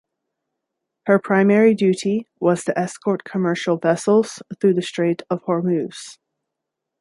Her primary duty was to escort commercial vessels through the Strait of Hormuz.